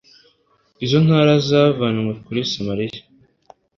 izo ntara zavanywe kuri samariya